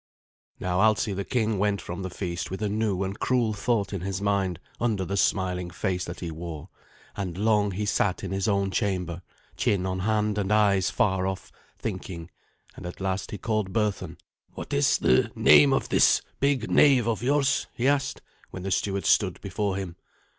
Now Alsi the king went from the feast with a new and cruel thought in his mind under the smiling face that he wore, and long he sat in his own chamber, chin on hand and eyes far off, thinking; and at last he called Berthun. "What is the name of this big knave of yours?" he asked, when the steward stood before him.